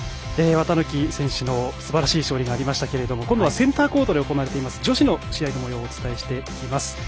綿貫選手のすばらしい勝利がありましたけれども今度はセンターコートで行われている女子のもようをお伝えしていきます。